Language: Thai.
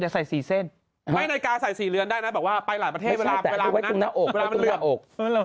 ไม่ใช่แต่ต้องไว้ตรงหน้าอก